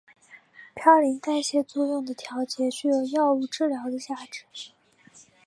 嘌呤代谢作用的调节具有药物治疗的价值。